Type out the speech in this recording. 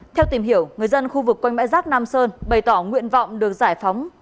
theo tìm hiểu người dân khu vực quanh bãi rác nam sơn bày tỏ nguyện vọng được giải phóng